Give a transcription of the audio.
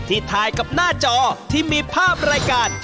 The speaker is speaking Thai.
ถ่ายกับหน้าจอที่มีภาพรายการ